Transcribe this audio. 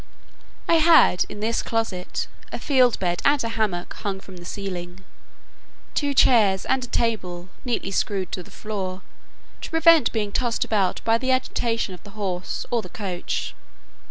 I had, in this closet, a field bed and a hammock, hung from the ceiling, two chairs and a table, neatly screwed to the floor, to prevent being tossed about by the agitation of the horse or the coach.